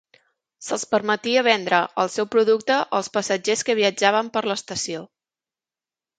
Se'ls permetia vendre el seu producte als passatgers que viatjaven per l'estació.